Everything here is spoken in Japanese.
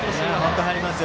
本当に入ります。